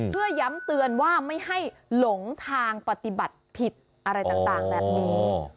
เพื่อย้ำเตือนว่าไม่ให้หลงทางปฏิบัติผิดอะไรต่างแบบนี้